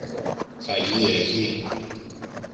Φαγί έχει;